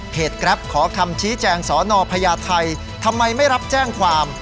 แกรปขอคำชี้แจงสอนอพญาไทยทำไมไม่รับแจ้งความ